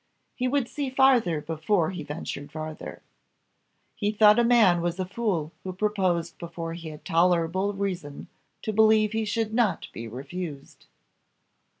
He would see farther before he ventured farther. He thought a man was a fool who proposed before he had tolerable reason to believe he should not be refused.